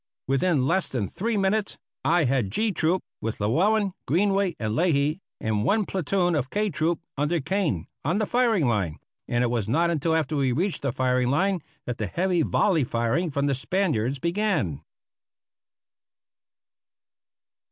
Within less than three minutes I had G Troop, with Llewellen, Greenway, and Leahy, and one platoon of K Troop under Kane, on the firing line, and it was not until after we reached the firing line that the heavy volley firing from the Spaniards began.